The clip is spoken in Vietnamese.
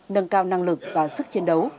nâng cao năng lực và sức chiến đấu